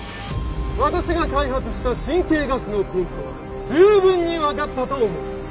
私が開発した神経ガスの効果は十分に分かったと思う。